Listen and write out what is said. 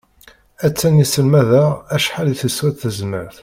Aṭṭan yesselmad-aɣ acḥal i teswa tezmert.